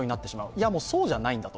いや、そうじゃないんだと。